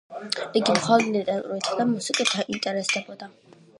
იგი მხოლოდ ლიტერატურითა და მუსიკით ინტერესდებოდა.